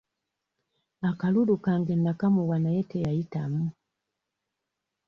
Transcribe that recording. Akalulu kange nnakamuwa naye teyayitamu.